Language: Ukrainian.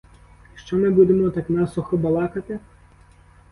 Що ми будемо так насухо балакати?